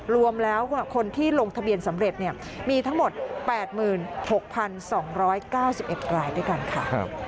รวมแล้วคนที่ลงทะเบียนสำเร็จเนี่ยมีทั้งหมดแปดหมื่นหกพันสองร้อยเก้าสิบเอ็ดไกรด้วยกันค่ะ